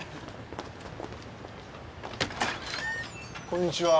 こんにちは。